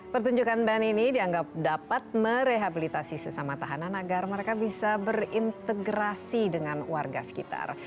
pertunjukan band ini dianggap dapat merehabilitasi sesama tahanan agar mereka bisa berintegrasi dengan warga sekitar